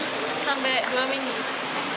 sampai dua minggu